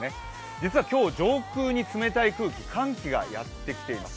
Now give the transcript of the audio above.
実は今日、上空に冷たい空気、寒気がやってきています。